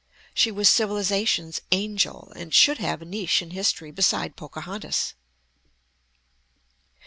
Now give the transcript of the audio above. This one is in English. She was civilization's angel, and should have a niche in history beside Pocahontas.